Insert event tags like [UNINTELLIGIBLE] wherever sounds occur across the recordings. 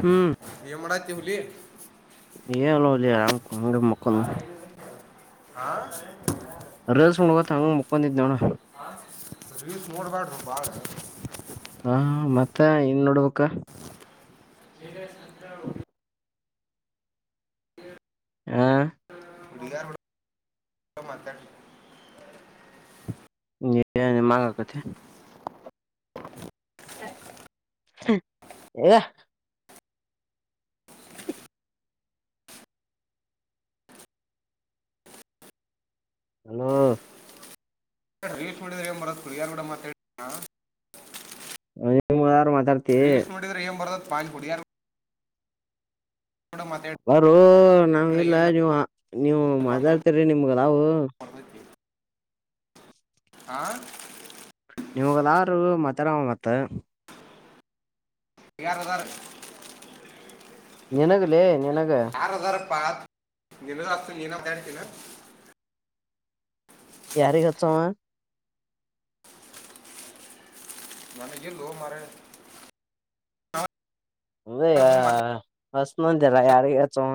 ಹ್ಮ್ ಏನ್ ಮಾಡತ್ತಿ ಹುಲಿ ಏನಿಲ್ಲೋಲೆ ಆರಾಮ್. ಇಲ್ಲಾ ಮಕ್ಕೊಂಡೇನಿ. ಹಾ ರೀಲ್ಸ್ ನೋಡ್ಕೊಂತ ಹಂಗ ಮಕ್ಕೊಂಡಿದ್ನೋ ಅಣ್ಣ. ರೀಲ್ಸ್ ನೋಡ್ಬ್ಯಾಡ್ರಿ ಭಾಳ ಹಾ ಮತ್ತ ಏನ್ ನೋಡ್ಬೇಕ? ಎ ಲೇ ಸಂತ್ಯಾ ಹ ಹುಡ್ಗ್ಯಾರಾರ್ಗೋಡ ಮಾತಾಡಿ. ಏ ನಿಮ್ಮ ಹಂಗ ಅಕ್ಕೆತಿ. [INAUDIBLE] ಹಲೋ ರೀಲ್ಸ್ ಮಾಡಿದ್ರ ಏನ್ ಬರತ್ತ ಹುಡುಗ್ಯಾರ ಕೂಡ ಮಾತಾಡಿ [UNINTELLIGIBLE] ರೀಲ್ಸ್ ಮಾಡಿದ್ರ ಏನ್ ಬರ್ತೇತಿ ಪಾ ಅಲ್ಲಿ ಹುಡುಗ್ಯಾರ ಬಾರೋ ನಾವ ಇಲ್ಲ ಏನ್ರ ನೀವು ನೀವು ಬಂದ್ರ ಮಾತಾಡ್ತಿರಿ ನಿಮ್ಗ ಆದಾವು. ಬರ್ತೈತಿ ಹಾ. ಇವ್ನಿಗ್ ಆದರೂ ಮಾತಾಡಾವ ಮತ್ತ. ಯಾರ ಅದರ್ರಿ. ನಿನಗಲೇ. ಯಾರದಾರ. ಪ ನಿನಗ ಹಚ್ತೇನಿ ನೀನ ಮಾತಾಡ್ತೀತೇನ. ಯಾರಿಗ ಹಚ್ಚಾವ್. ನನಗ ಇಲ್ಲೋ ಮಾರಾಯ. ಅದೇ ಹೆಚ್ಚಿತೇನಿ ಅಂದೆಲ್ಲ ಯಾರಿಗ ಹಚ್ಚಾವ್.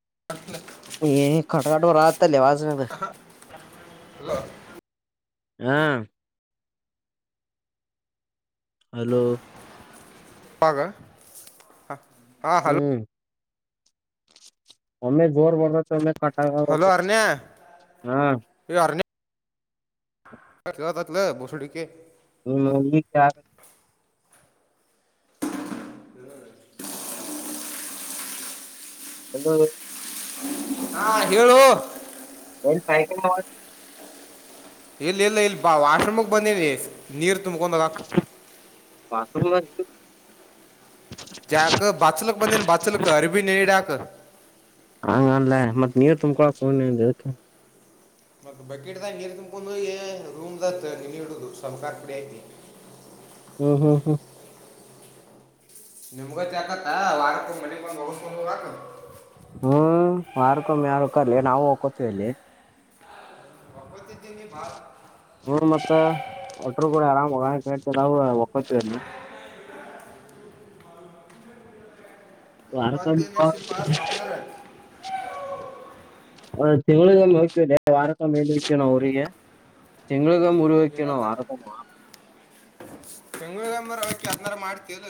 [UNINTELLIGIBLE] ಏ ಕಟ್ ಕಟ್ ಬರತೇತಿ ಅಲ್ಲೇ ಆವಾಜ್ ಇದ. ಹ್ಮ ಹಲೋ. ಹೌದ ಹಾ. ಹಲೋ ಹ್ಮ್ ಒಮ್ಮೆ ಜೋರ್ ಬರ್ತೇತಿ ಒಮ್ಮೆ. ಕಟ್ ಹಲೋ ಆಗತೈತಿ ಅರ್ನ್ಯ ಹಾ ಏ ಅರ್ನ್ಯ. ಕೆಲತೆತ್ಲಾ ಬೋಸ್ಡಿಕೆ. ಹ್ಮ್ ಈ [INAUDIBLE] ಶಿಂದೊಳ್ಳಿ. ಹಾ ಹೇಳೋ. ಪೈಕಯನೆ. ಇಲ್ಲಿ ಇಲ್ಲ ಇಲ್ಲಿ ಬಾ ವಾಶ್ರೂಮಗೆ ಬಂದೇವಿ ನೀರ್ ತುಂಬಕೊಂಡ ಹೋಗಕ್. ಜಾಕ ಬಚಲಕ್ ಬಂದಿನ ಬಚಲಕ ಅರಬಿ ನೆನಿಇಡಾಕ್. ಅನ್ಲ ಮತ್ [INAUDIBLE] ಮತ್ತ ಬಕೆಟದಾಗ್ ನೀರು ತುಂಬಕೊಂಡ ಹೋಗಿ ರೂಮ್ ದ ನೇಣಿ ಇಡೋದು ಸಬ್ಕರ್ ಪುಡಿ ಹಾಕಿ. ಹ್ಮ್ ಹ್ಮ್ ಹ್ಮ್. ನಿಮಗೈತಿ ಆಕತ್ತ ವಾರಕ್ಕೊಮ್ಮೆ ಮನೆಗ್ ಬಂದ್ ಓಗಸ್ಕೊಂಡ್ ಹೋಗಾಕಾ. ಹ್ಮ್ ವಾರಕ್ಕೊಮ್ಮೆ ಯಾರ್ ಹೋಗ್ತಾರ್ಲೆ ನಾವ ವಕ್ಕೋತೆವಿ. ವಕ್ಕೊತಿಧಿ ನಿ ಭಾಳ. ಹೂ ಮತ್ತ ಒಟರು ಕ ಆರಾಮ್ ಹೇಳ್ತ ಅವರು ಒಕ್ಕೋತ. ವಾರಕ್ಕೊಮ್ಮೆ. ಮತ್ತೇನು ಹ ನಡೆಸಿಪ್ಪ ಸಂಸ್ಕಾರ ತಿಂಗಳಗೊಮ್ಮೆ ಹೋಗ್ತವಿಲೆ ವಾರಕ್ಕಮ್ಮೆ ಎಲ್ ಹೋಗ್ತೀವಿ ನಾವ ಊರಿಗೆ. ತಿಂಗಳಿಗೊಮ್ಮೆ ಊರಿಗ ಹೋಗ್ತೀವ ನಾವ ಏನತ್ತ ವಾರಕ್ಕೊಮ್ಮೆ ಹೋಗಲ್ಲ. ತಿಂಗಳಿಗೊಮ್ಮೆ ಹೋಗ್ತಿ ಅದ್ನ ಅರೆ ಮಾಡ್ತೀ ಅಲ್ಲ.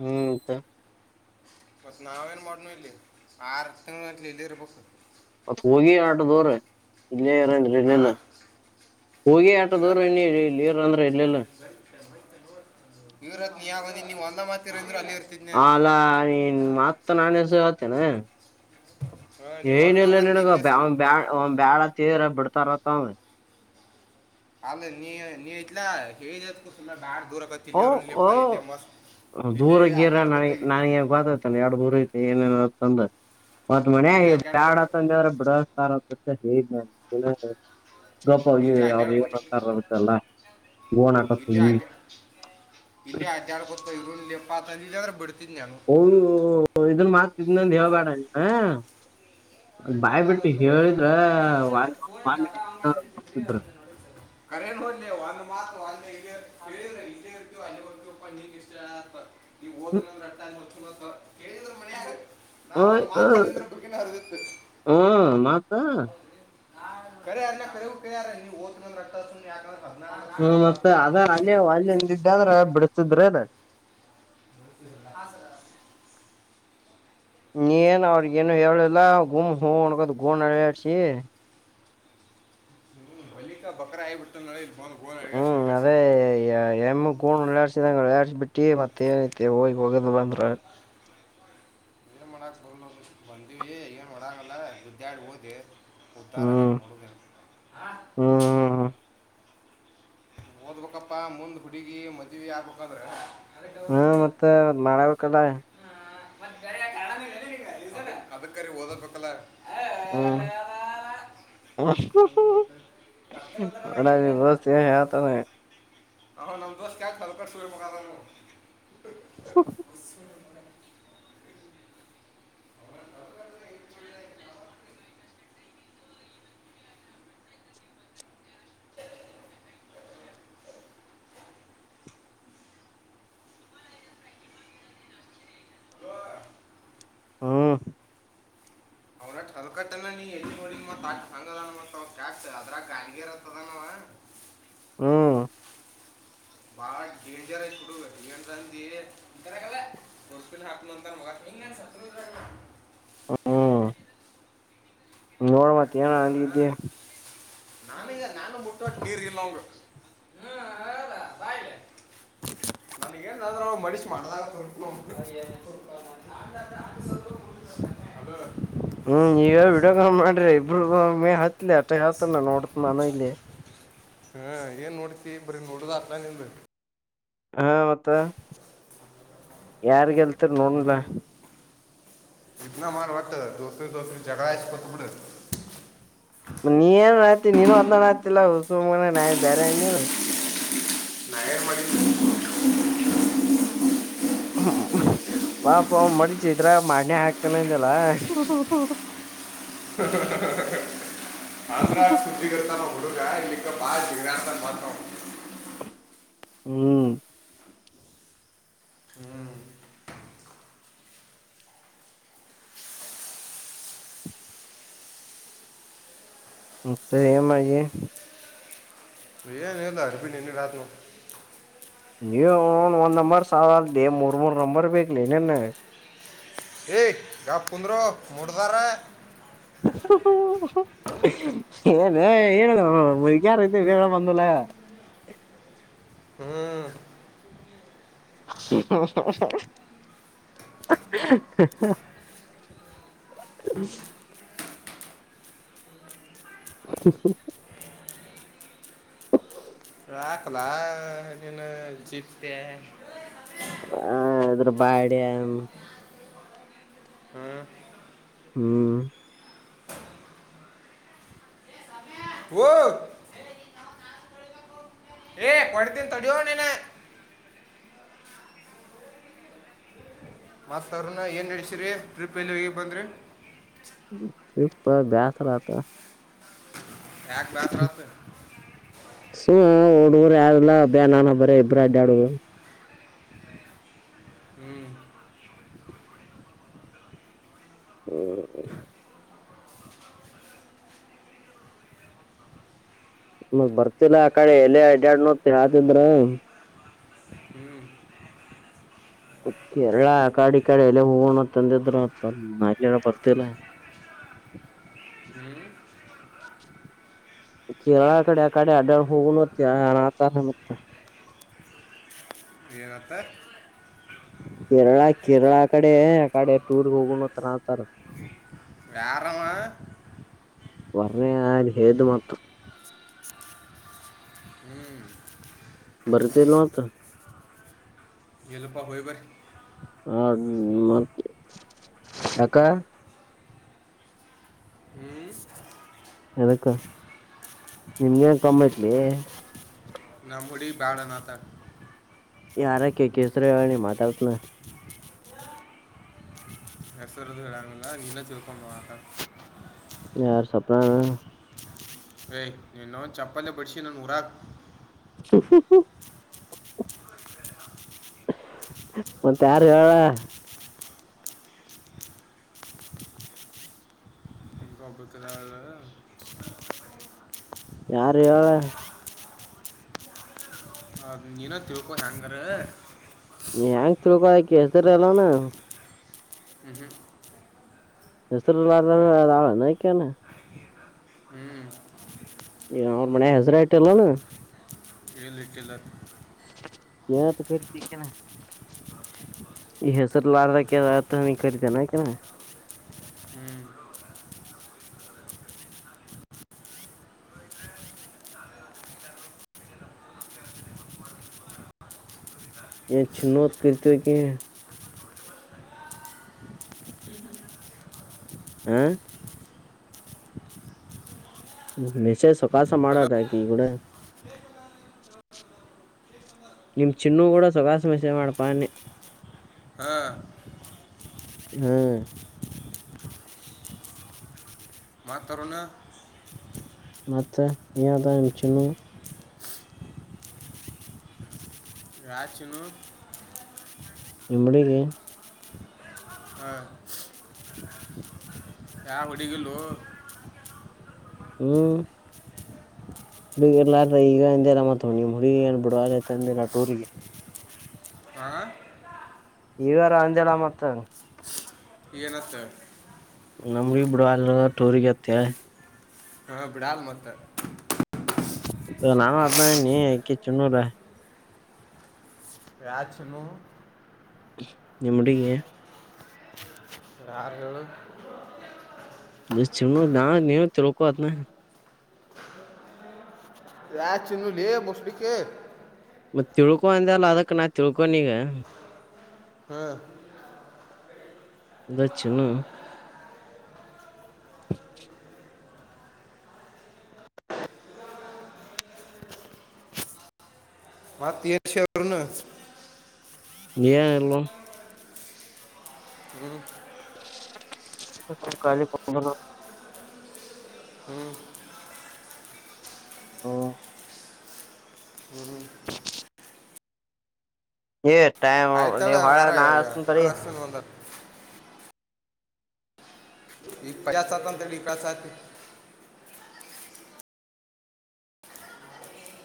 ಹ್ಮ್ ಮತ್ತ. ಮತ್ತ ನಾವ ಏನ್ ಮಾಡ್ನ ಇಲ್ಲಿ ಆರ್ ತಿಂಗಳುಗಟ್ಟಲೆ ಇಲ್ಲೆ ಇರ್ಬೇಕ. ಮತ್ ಹೋಗಿ ಆಟದೂರ. ಇಲ್ಲೇ ಇರಂದ್ರೆ ಆ ಇರಲಿಲ್ಲ ಹೋಗಿ ಏನ ಆಟದೂರ ಅನ್ನಿ ಇಲ್ಲೆ ಇರ ಅಂದ್ರೆ ಇರಲಿಲ್ಲ. ಇರತ್ ನೀ ಯಾವಾಗ ಅಂದಿ ನೀ ಒಂದ ಮಾತ ಇರ ಅಂತ ಅಂದ್ರು ಅಲ್ಲಿ. ಇರ್ತಿದ್ನೆ ಅಲ್ಲ ಮತ್ತ ನಾಣಸ ಹೊತ ನ. ನೀವು ಒಂದ ಹೇಳಿನಿಲ್ಲ ನಿನಗ ಮಾತಿರ್ಲಿ ಬ್ಯಾಡ ಸ್ವಲ್ಪ ಒಮ್ಮೆ ಬ್ಯಾಡ ಅಂತ ಹೇಳಿದ್ರ ಬಿಡ್ತಾರತ್ತ ಅವ. ಆಮೇಲೆ ನೀ ನೀ ಆಯ್ತಿ ಲಾ ಹೇಳಿನಿ ಅಂತ ಕುತ್ಬ್ಯಾಡ್. ಓ ಓ ಇಲ್ಲೇ ದೂರಗಿರ ನನ ಅಡ್ಡಾಡ್ಕೊತ ಇ- ನನಗಿನ್ ಗೊತ್ತಾಯ್ತಿ ಏನ್ ಎಷ್ಟ ದೂರ್. ಏನೇನ ತಂದ ಮತ್ ಇಲ್ಲೇ ಮನ್ಯಾಗ ಅಡ್ಡಾಡ್ಕೊತ ಬ್ಯಾಡತಂದ್ರ ಬಿಡಸ್ತರ. ಮತ್ತ ಹೇಳಿದ್ನ್ಯಾಳ ನಾನು ನಿಗೆಲ್ಲ. ಗಪ ಇವ ಇಲ್ಲೇ ಯಾವಲೆ ಇವ ಅಡ್ಡಾಡ್ಕೊತ ಏನಂತಾರತಲ್ಲ ಬೋಣ ಹಾಕೋತ ಇಲ್ಲೇ ಹೋಗಿ. ಅಡ್ಡ ಇಲ್ಲೇ ಅಡ್ಯಡ್ಕೋಟ ಇರೋನ್ ಲೆ ಪಾ ಇಲ್ಲ್ರೆ ಬಿಡ್ತ. ಅಯ್ಯೋ ಇದನ್ ಮಾತ್ತಿದನಂದು ಹಾಂ ಸರ್ ಹೇಳ್ಬೇಡ ನೀನ. ಇನ್ನೇನ್ ಬಾಯ್ ಆದ ಬಿಟ್ಟು ಕರೆಯಪ್ಪ ಹೇಳಿದ್ರ. ಇಲ್ಲ ಸರ್ ಫೋನ್ [INAUDIBLE] ಖರೇ ನೋಡಲೇ ಒಂದು ಮಾತ್ರ ಅಲ್ಲೆ ಇ ಇಲ್ಲೇ ಹೇಳಿದ್ರ ಇಲ್ಲೇ ಇರ್ತೆವ ಅಲ್ಲೆ ಹೊಕ್ಕೇವ್ ನಿಮ್ಮ ಇಷ್ಟ. ಇಲ್ಲೆ ಹ್ಮ್ ಹೋಗ್ತೀನಿ ಅಂದ್ರ ಅಷ್ಟ ಅಲ್ಲೆ ಹೋಗ್ ಕುಡೋಡ್ ಓಯ್ ಅವ್ ಮಾತಂದ್ರೆ. ಹ್ಮ ಮತ್ತ. ಖರೆ ಅಣ್ಣ ಖರೆನು ಕೇಳ್ಯಾರ್ ನೀ ಹೋಗ್ತೀನಿ ಅಂದ್ರ ಅಷ್ಟ ಸುಮ್ ಯಾಕ ಅಂದ್ರ. ಹ್ಮ ಮತ್ತೆ ಅದ ಅಲ್ಲಿ ಅಲ್ಲಿಂದಡ್ಾದ್ರೆ ಬಿಡತಿದ್ರೆ ಅದ ನೀನ್ ಅವ್ರಗ ಏನು ಹೇಳಿಲ್ಲ ಗುಮ್ ಹೂ ಒಣಗದ ಗೋಣ ಅಲ್ಯಾಡ್ಸಿ. ಹ್ಮ ಬಳಿಕಾ ಬಕ್ರಾ ಆಗಿಬಿಟ್ಟೇನೋ. ಹ್ಮ್ ಅದೇ ಎಮ ಗೋಣ ಅಲ್ಲಾಡಿಸಿದಂಗ. ಅಲ್ಯಾಡ್ಸಿ ಬಿಟ್ಟಿ ಮತ್ತ ಏನ್ಐತೆ ಹೋಗಿ ಓಗದ ಬಂದ್ರ ಆತ. ಎನ್ ಮಾಡಕ್ ಬರುಲ್ಲಾ ಬಂದಿವವಿ ಈಗನ್ ಒಡಾಗಲ್ಲ ಗುಡ್ಡಿಯಾಡಿ ಹೋದೇ. ಉದ್ದಾರ್ ಹ್ಮ್ ಅಗಾಕ್ ನೋಡೋದ ಇನ್ನ ಹಾ. ಹ್ಮ್ ಓದ್ಬೇಕಪ್ಪಾ ಮುಂದ್ ಹುಡುಗಿ ಮದ್ವಿ ಆಗ್ಬೇಕಾದ್ರೆ. ಹ್ಮ ಮತ್ತೆ ಮಾಡಬೇಕಲ್ಲ ಅದಕ್ಕರಿ ಓದಬೇಕಲ್ಲ ಹ್ಮ ಅಲ್ಲ ಅಡ ಬಸ್ ಯ ಯತ ನಮ್ ದೋಸ್ತ್ ತಲ್ ಕೆಟ್ಟ ಮಗ ಅದನ ಹ ಹ್ಮ್ ಹೊರಟ್ ಹರಕಟ್ಟ ನೀ ಎಲ್ಲಿ ನೋಡಿ ಮ ಹಂಗದ ಮ ಕ್ಯಾತ ಅದ್ರಾಗ ಹಂಗಗೆ ಇರತ್ತದ ನವ ಹ್ಮ ಬಾಳ ಡೇಂಜರ್ ಐುಡು ಏ ರನ್ಸ್ಲ್ ಹಾಕ್ ಅಂತ ಮಗ ಹಮ್ ನೋಡ ಮತ್ ಏನ ಅಂದಿದ್ದೆ ನಾನು ನಾನು ಮುಟ್ಟ ನೀರಿ ಇಲ್ಲ ಅವಗೆ ಬಾ ಇಲ್ಲಿ ಹ ್ರ ಮನಿಷ ಮಾಡಿದಾಗ ಹ ಅದ ಹ್ಮ್ ನೀವ ವಿಡಿಯ ಮಾಡ್ರಿ ಇಬರು ಮೇ ಹತ್ಲಿ ಅಷ್ಟ ಹತನ ನೋಡತ ನಾನು ಇಲ್ಲಿ ಹ್ಮ ಏನ್ ನೋಡತಿ ಬರೀ ನೋಡುದ ಅತ್ ನಿಂದ್ ಹಾ ಮತ್ತ ಯಾರ್ಗಲ್ತಾರ ನೋಡ್ಲ ಇನ್ನ ಮಾಡ ಒಟ್ಟ ದೋಸ್ರ ದೋಸ್ರ ಜಗಳ ಎಷ್ಟ ಕೊತ ಬಿಡ ಸುಮ ಮನೆ ನ ಬೇರೆ ಎಣ್ಣನು ನಾ ಏನ್ ಮಾಡಿದ್ದೆ ಹ್ಮ ಪಾಪ ಮಡ ಚಿದ್ರ ಮಾಡನೆೇ ಆಾಕ್ತನಂದಲ್ಲ ಹೂ ಹೂ ಹ ಹ ಹ ಹ ಹ ಆಂಧ್ರಾಜ ಸುದ್ದೀಿಕೃತನ ಹುಡುಗ ಇಲ್ಲಿಕ್ಕ ಭಾಳ ಜಗ್ರಾಂತ ಮಾತ್ರ ಹ್ಮ್ ತ್ತ ಏ ಮಾಡಿಗೆ ಏನ್ ಎಲ್ಲ ಅಡುಪಿಿನಿ ನಿನ್ನ ರಾತ್ ನೀವನ್ ಒಂದ್ ನಂಬರ್ ಸಾಲ್ದಾ ಅಲ್ದಿ ಮೂರ್ ಮೂರ್ ನಂಬರ್ ಬಗ್ಲಿನ್ನನ್ ಎ ಗ್ಯಾಪ್ ಕೊಂಡ್ರೋ ಮೂಡ್ದರ ಹ ಹೂ ಹೂ ಏನ್ ಹೇಳ ಯಾರ ಐತೆ ಬ ಬಂದಲ್ಲ ಹ್ಮ್ ಹೂ ಹಾ ಹಾ ಹ [INAUDIBLE] ರಾಕ್ಲ ನಿನು ಜಿಪ್ತೆ ಹ ಅದ್ರ ಬಾಡ ಹ್ಮ್ ಹ್ಮ್ ಓ ಕೊಡತಿನ ತಡಿಯೋ ನಿನ ಮತ್ ಅವ್ರನ ಏನ್ ಹಡಸಿರಿ ಟ್ರಿಪ್ ಎಲ್ಲಿ ಹೋಗಿ ಬಂದ್ರಿ ಬ್ಯಾಸರತ ಯಾಕ್ ಬ್ಯಾಸ್ರತ್ ಸ ಡರು ಯಾರಲ್ಲಬ್ಯಾ ನಾವಿಬ್ಬರ ಇಬ್ಬ್ರ ಅಡ್ಡ್ಯಾಡು ಹ್ಮ್ ಹ್ಮ್ ಮ ಬರ್ತಿಲ್ಲಾ ಆ ಕಡೆ ಎಲೆ ಅಡ್ಯಾಡ್ ನೋ ಹಾತಿದ್ರ ಹ್ಮ್ ಕೇರಳ ಕಾಡೆ ಕಾಡೆ ಎಲ್ಲ ಹೋಗೋಣಂದಿದ್ರ ಬರ್ತಿಲ್ಲ ಹಾ ಹ್ಮ್ ಕೇರಳ ಕಡೆ ಅ ಕಾಡೆ ಅಡ್ಡ ಹೋಗ ನತ್ತ ಅನಾಕತಾರ ಏನತ್ತ ಕೇರಳ ಕೇರಳ ಕಡೆ ಆಕಡೆ ಟೂರಗ ಹೋಗಣತ್ರ ನತಾರ ಯಾರಾವಾ ವರ್ಣ ಆನ್ ಹೇಟ್ಮತ್ರ ಹ್ಮ್ ಬರತಿಲ್ಲಂತ ಇಲ್ಲಪ್ಪ ಹೋಗಿ ಬರಿ ಹಾ ಮತ್ ಏಕ್ಕ ಹ್ಮ್ ಎದಕ್ಕ ನಿಮ್ಗೆನ್ ಕಮ್ಮಐತ್ಲೇ ನಮ್ಮ ಹುಡುಗಿ ಬ್ಯಾಡ ಅನ್ನಾಕತಾಳ ಯಾರಕ್ಕಿ ಅಕ್ಕಿ ಹೆಸರು ಹೇಳ ಮಾತಾಡ್ತಾ ನಾ ಹೆಸರು ಹೇಳಂಗಿಲ್ಲ ನಿನ್ನ ತಿಳ್ಕೊಮ್ಬಿಡು ಅಟ್ಟ [UNINTELLIGIBLE] ಏಯ್ ಇನ್ನೊ ಒ ಚಪ್ಪಲ್ ಬಿಡಿಸಿ ನನ್ ಊರಾಗ [UNINTELLIGIBLE] ಮತ್ತು ಯಾರ ಹೇಳಾ ಒಬ್ಬ ಕೆದಾಳ ಯಾರು ಹೇಳಾ ಅದು ನೀನ ತಿಳ್ಕೋ ಹೆಂಗರೆ ಹ್ಯಾಂಗ್ ತಿಳ್ಕೊಳಕ್ಕೆ ಅಕ್ಕಿ ಹೆಸರಿಲ್ಲೇನ ಹ್ಞೂ ಹೆಸರಿಲ್ಲರ್ಧಾಳ್ ಅದಾಳ ಏನ್ ಆಕೇನ ಹ್ಞೂ ಯ ಮನೆ ಹೆಸರು ಇಟಿಲ್ಲೆನ್ ಕಲ್ಲ ಕಲ್ಲ [UNINTELLIGIBLE] ಹೆಸರ್ಲಾರದ ತನಿ ಕರೀತಿಎನ ಆಕೆನ್ ಹ್ಮ್ ಏನ್ ಚಿನ್ನು ಅಂತ ಕರೀತಿ ಆಕಿಗೆ ಹ ಮೆಶೇಜ್ ಸವಕಾಸ ಮಾಡ ಹಲೋ ಆಕಿ ಈ ಕೂಡ ನಿಮ್ ಚಿನ್ನೂ ಕೂಡ ಸಾವ್ಕಾಸ್ ಮೆಸೇಜ್ ಮಾಡಪ್ಪ ಅನ್ನಿ ಹಾಂ ಹ್ಮ್ ಮತ್ತು ಅರುಣ ಮತ್ತೆ ಏನದಾ ನಿಮ ಚಿನ್ನು ಯಾ ಚಿನ್ನು ನಿಮ್ಮ ಹುಡುಗಿ ಹಾಂ ಯಾವ ಹುಡಗಿಲ್ಲೊ ಹ್ಮ್ ಹುಡುಗಿ ಎಲ್ಲಾರ್ರ ಈಗ ಇಂದೆಲ್ಲ ಮ ನಿಮ್ಮ ಹುಡುಗಿ ಏನ್ ಬಿಡುವತಂದೆಲ್ಲ ಟೂರಿಗೆ ಹಾಂ ಈಗಾರ ಅಂದಲ್ಲ ಮತ್ತ ಎನತ್ತ್ ನಮಡಿ ಬಿಡ ಅಲ್ ಟೂರ್ಗತ್ತ ಹಾಂ ಬಿಡಾಲ ಮತ್ತ ನಾವ ಅದ್ನ ನೀ ಆಕಿ ಚಿನ್ನುಲಾ ಯಾ ಚಿನ್ನು ನಿಮ್ಮ ಹುಡುಗಿ ಯಾರು ಹೇಳು ಚಿನ್ನು ನಾನೇ ತಿಳುಕೊ ಅದನ್ನ ಯಾ ಚಿನ್ನುಲೇ [UNINTELLIGIBLE] ಮತ್ತ ತಿಳ್ಕೊಂದ ಅಲ್ಲ ಅದಕ್ ನಾ ತಿಳ್ಕೊನ ಈಗ ಹ್ಮ್ ದಕ್ಷಣ [INAUDIBLE] ಮತ್ತಷ ನಲ್ಲ ಕಾಲಿ ಪ ಹ ಆಯ್ತಾಳ ಮ ವಳ ಹಂಗಾರ ನಾ ಅ ತರಿ ಹಂಗಸ್ತನ ಒಂದ ಈ ಕಯ ಸತಂತ ಪಸತಿ